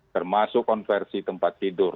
termasuk konversi tempat tidur